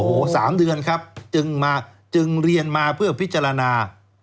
โอ้โห๓เดือนครับจึงมาจึงเรียนมาเพื่อพิจารณา